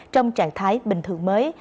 trong trạng thái bình thường mới